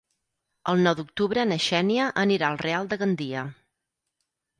El nou d'octubre na Xènia anirà al Real de Gandia.